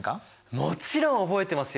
もちろん覚えてますよ。